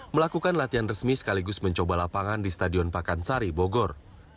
melakukan latihan resmi sekaligus mencoba lapangan di stadion pakansari bogor